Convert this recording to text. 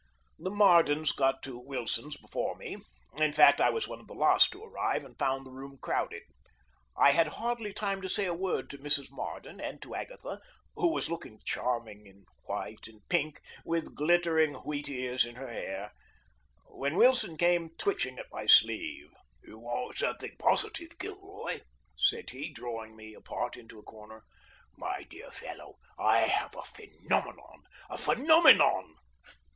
The Mardens got to Wilson's before me. In fact, I was one of the last to arrive and found the room crowded. I had hardly time to say a word to Mrs. Marden and to Agatha, who was looking charming in white and pink, with glittering wheat ears in her hair, when Wilson came twitching at my sleeve. "You want something positive, Gilroy," said he, drawing me apart into a corner. "My dear fellow, I have a phenomenon a phenomenon!"